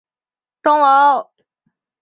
后曾悬挂于西安钟楼。